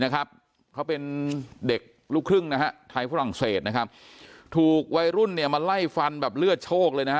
เขาเป็นเด็กลูกครึ่งไทยฝรั่งเศสถูกวัยรุ่นมาไล่ฟันแบบเลือดโชคเลย